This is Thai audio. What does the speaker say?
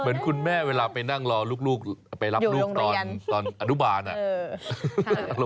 เหมือนคุณแม่เวลาไปนั่งรอลูกไปรับลูกตอนอนุบาลอ่ะ